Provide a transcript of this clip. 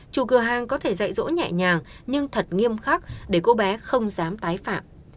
chủ cửa hàng có thể dạy dỗ nhẹ nhàng nhưng thật nghiêm khắc để cô bé không dám tái phạm